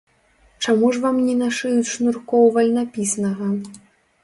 Чаму ж вам не нашыюць шнуркоў вальнапісанага?